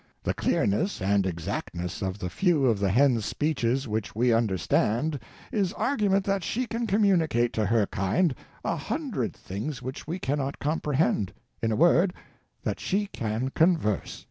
The clearness and exactness of the few of the hen's speeches which we understand is argument that she can communicate to her kind a hundred things which we cannot comprehend—in a word, that she can converse.